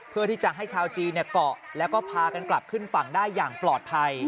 เพื่อที่จะให้ชาวจีนเกาะแล้วก็พากันกลับขึ้นฝั่งได้อย่างปลอดภัย